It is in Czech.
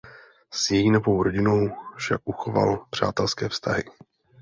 S její novou rodinou však uchoval přátelské vztahy.